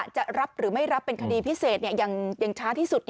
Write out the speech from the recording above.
จะรับหรือไม่รับเป็นคดีพิเศษอย่างช้าที่สุด